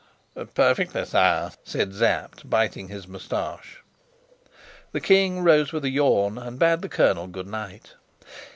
"Perfectly, sire," said Sapt, biting his moustache. The king rose with a yawn, and bade the colonel good night.